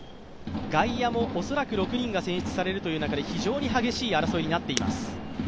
外野も恐らく６人が選出されるという中で非常に激しい争いになっています。